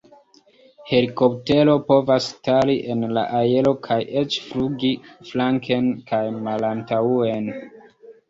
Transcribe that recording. Helikoptero povas stari en la aero kaj eĉ flugi flanken kaj malantaŭen.